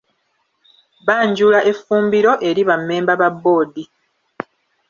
Banjula effumbiro eri bammemba ba Bboodi.